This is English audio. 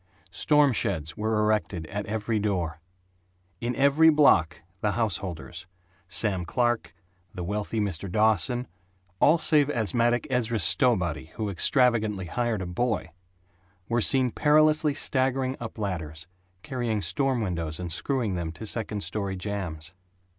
Storm sheds were erected at every door. In every block the householders, Sam Clark, the wealthy Mr. Dawson, all save asthmatic Ezra Stowbody who extravagantly hired a boy, were seen perilously staggering up ladders, carrying storm windows and screwing them to second story jambs.